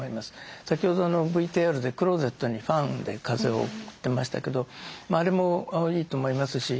先ほどのＶＴＲでクローゼットにファンで風を送ってましたけどあれもいいと思いますし